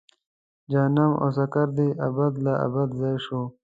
جهنم او سقر دې ابد لا ابد ځای شو.